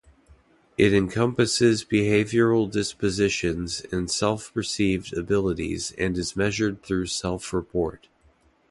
It "encompasses behavioral dispositions and self perceived abilities and is measured through self report".